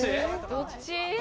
どっち？